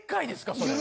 それ。